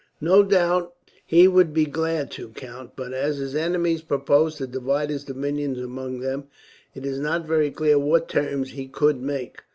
"No doubt he would be glad to, count; but as his enemies propose to divide his dominions among them, it is not very clear what terms he could make.